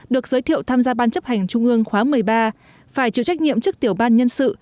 được giới thiệu tham gia ban chấp hành trung ương khóa một mươi ba phải chịu trách nhiệm trước tiểu ban nhân sự